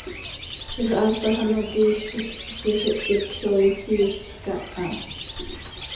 Ziix haasax ano quiij quij ziix ihic coi isiizjc aha.